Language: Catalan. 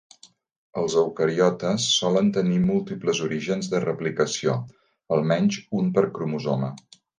Els eucariotes solen tenir múltiples orígens de replicació; almenys un per cromosoma.